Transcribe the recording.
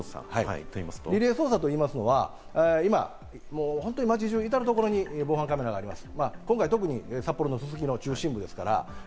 リレー捜査といいますのは街中至るところに防犯カメラがあります。